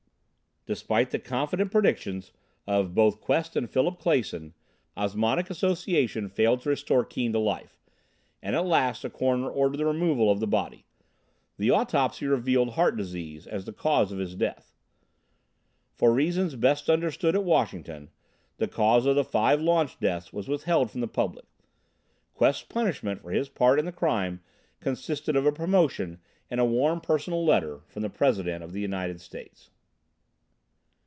Despite the confident predictions of both Quest and Philip Clason, osmotic association failed to restore Keane to life, and at last the coroner ordered the removal of the body. The autopsy revealed heart disease as the cause of his death. For reasons best understood at Washington, the cause of the five launch deaths was withheld from the public. Quest's punishment for his part in the crime consisted of a promotion and a warm personal letter from the President of the United States.